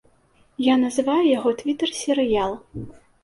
Я называю яго твітэр-серыял.